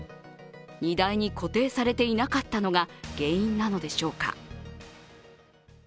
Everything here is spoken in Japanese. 荷台に固定されていなかったのが原因なのでしょうか。